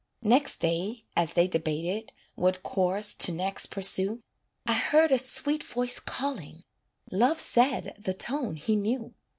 Next day as they debated What course to next pursue, I heard a sweet voice calling Love said the tone he knew.